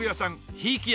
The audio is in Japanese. ひいき屋。